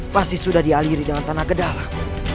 pasti sudah dialiri dengan tanah kedalam